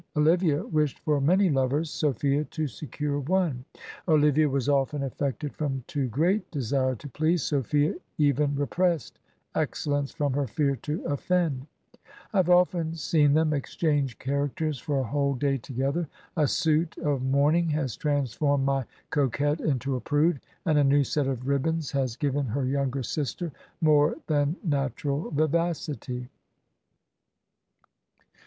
Olivia wished for many lovers ; Sophia to secure one. Olivia was often affected from too great desire to please ; Sophia even repressed excellence from her fear to offend. ... I have often seen them exchange characters for a whole day together. A suit of mourning has transformed my coquette into a prude, and a new set of ribbands has given her younger sister more than natural vivacity."